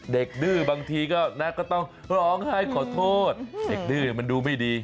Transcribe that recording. ดื้อบางทีก็ต้องร้องไห้ขอโทษเด็กดื้อมันดูไม่ดี